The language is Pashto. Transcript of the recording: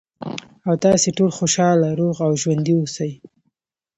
، او تاسې ټول خوشاله، روغ او ژوندي اوسئ.